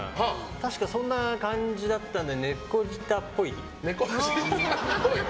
確かそんな感じだったので猫舌っぽい？